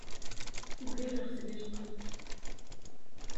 Ugareɣ-t deg lqedd.